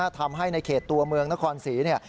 ทำให้ในเขตตัวเมืองนครศรีเนี่ย